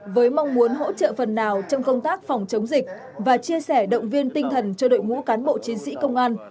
với mong muốn hỗ trợ phần nào trong công tác phòng chống dịch và chia sẻ động viên tinh thần cho đội ngũ cán bộ chiến sĩ công an